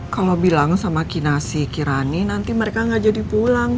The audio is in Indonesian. kalau bilang sama kinasi kirani nanti mereka gak jadi pulang